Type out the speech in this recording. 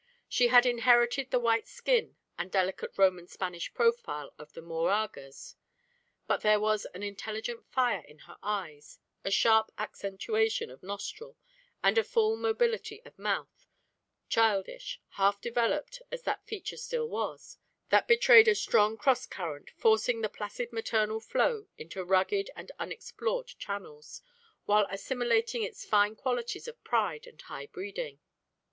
She had inherited the white skin and delicate Roman Spanish profile of the Moragas, but there was an intelligent fire in her eyes, a sharp accentuation of nostril, and a full mobility of mouth, childish, half developed as that feature still was, that betrayed a strong cross current forcing the placid maternal flow into rugged and unexplored channels, while assimilating its fine qualities of pride and high breeding.